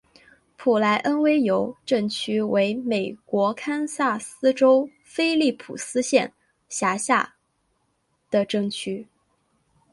普莱恩维尤镇区为美国堪萨斯州菲利普斯县辖下的镇区。